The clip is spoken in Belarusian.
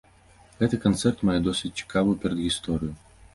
Гэты канцэрт мае досыць цікавую перадгісторыю.